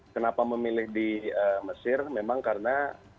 kenapa memilih di mesir memang karena